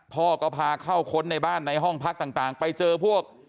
พ่อก็พาเข้าค้นในบ้านในห้องพักต่างไปเจอพวก